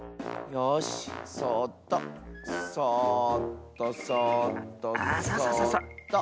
よしそっとそっとそっとそっと。